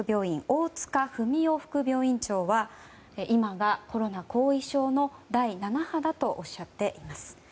大塚文男副病院長は今がコロナ後遺症の第７波だとおっしゃっています。